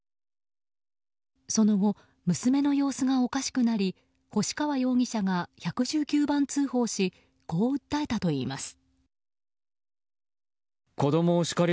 その後、娘の様子がおかしくなり星川容疑者が１１９番通報しこう訴えたといいます。